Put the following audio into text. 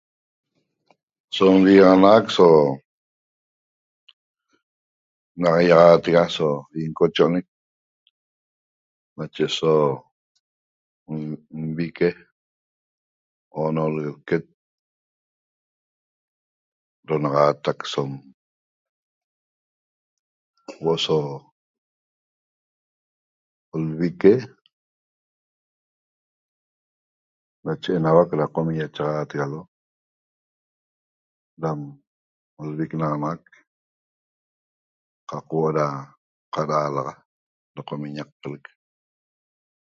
So nvigaxanaxac so ña'axaixaatega so cocho'oñic nacheso nvique oonolec lquet do'onaxaatac som huo'o so lvique nache enauac da qomi' ýachaxaategalo dam lviquenaxanaxac qaq huo'o da qad'aalaxa da qomi' ñaqpiolec